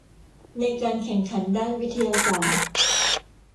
ในการแข่งขันด้านวิทยาศาสตร์